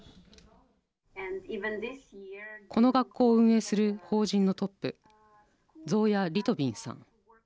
この学校を運営する法人のトップゾーヤ・リトビンさん。